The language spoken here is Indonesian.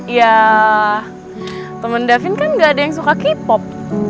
ya teman davin kan gak ada yang suka k pop